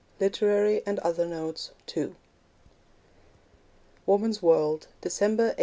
LITERARY AND OTHER NOTES II (Woman's World, December 1887.)